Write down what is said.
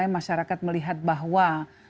masyarakat melihat bahwa